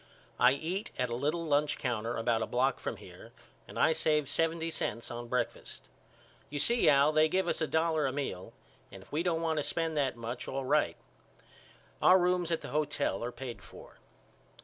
I eat at a little lunch counter about a block from here and I saved seventy cents on breakfast. You see Al they give us a dollar a meal and if we don't want to spend that much all right. Our rooms at the hotel are paid for.